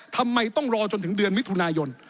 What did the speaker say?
ทำไมต้องรอจนถึงเดือนมิถุนายน